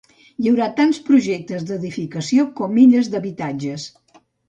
Hi haurà tants projectes d'edificació com illes d'habitatges.